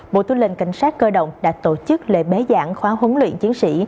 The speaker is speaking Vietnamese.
bộ tư lệnh cảnh sát cơ động đã tổ chức lễ bế giảng khóa huấn luyện chiến sĩ